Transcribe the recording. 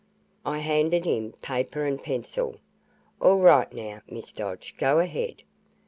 I handed him paper and pencil. "All right now, Miss Dodge, go ahead."